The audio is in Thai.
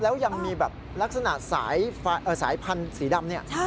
แล้วยังมีลักษณะสายพันสีดำนี่